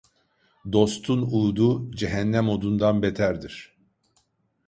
Dostun udu cehennem odundan beterdir.